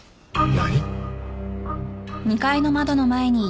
何？